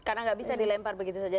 karena tidak bisa dilempar begitu saja